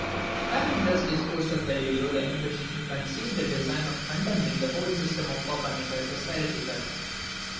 Having thus disposed of Galileo, the inquisition conceived the design of condemning the whole system of Copernicus as heretical.